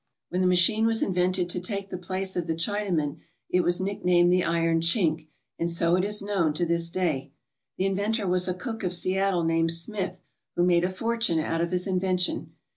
When the machine was invented to take the place of the Chinaman it was nicknamed the "iron chink/' and so it is known to this day. The inventor was a cook of Seattle named Smith, who made a fortune out of his invention.